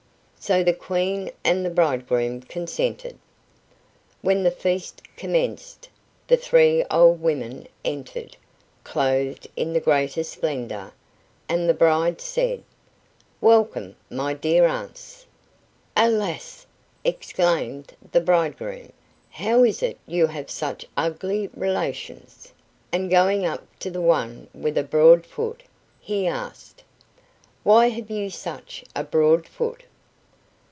So the Queen and the bridegroom consented. When the feast commenced, the three old women entered, clothed in the greatest splendor, and the bride said "Welcome, my dear aunts!" "Alas!" exclaimed the bridegroom, "how is it you have such ugly relations?" and going up to the one with a broad foot, he asked: "Why have you such a broad foot?"